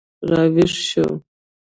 راویښ شو